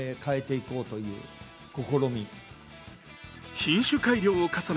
品種改良を重ね